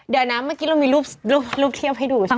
เดี๋ยวนะเมื่อค่ิดเรามันมีรูปเทียบให้ดูใช่ปะ